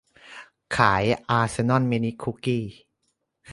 ขายอาร์เซน่อลมินิคุกกี้